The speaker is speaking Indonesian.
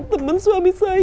temen suami saya